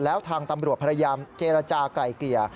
แล้วทางตำรวจพยายามเจรจากลายเกลี่ย